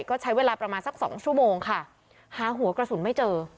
ก็ใช้เวลาประมาณสักสองชั่วโมงค่ะหาหัวกระสุนไม่เจอ